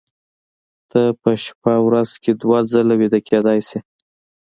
ته په شپه ورځ کې دوه ځله ویده کېدلی شې